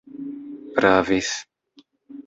pravis